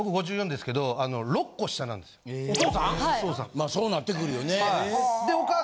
まあそうなってくるよね。